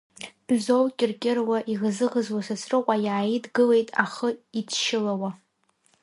Бзоу кьыр-кьыруа, иӷызы-ӷызуа Сасрыҟәа иааидгылеит, ахы идшьылауа.